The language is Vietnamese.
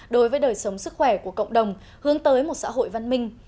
đối với đời sống sức khỏe của cộng đồng hướng tới một xã hội văn minh